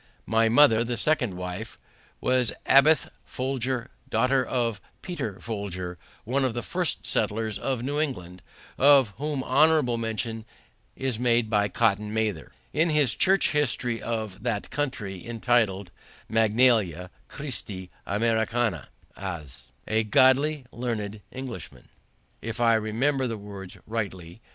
My mother, the second wife, was Abiah Folger, daughter of Peter Folger, one of the first settlers of New England, of whom honorable mention is made by Cotton Mather, in his church history of that country, entitled Magnalia Christi Americana, as "a godly, learned Englishman," if I remember the words rightly.